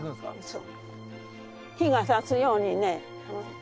そう。